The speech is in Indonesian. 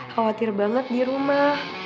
khawatir banget di rumah